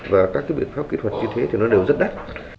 và các cái biện pháp kỹ thuật như thế thì nó đều rất đắt